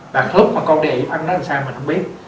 và lúc mà con đi học ăn nó làm sao mình không biết